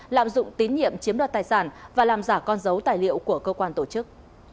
lạm dụng tín nhiệm chiếm đoạt tài sản và làm giả con dấu tài liệu của cơ quan tổ chức